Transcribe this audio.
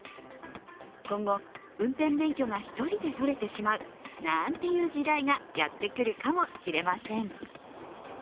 今後、運転免許が１人で取れてしまうなんていう時代がやってくるかもしれません。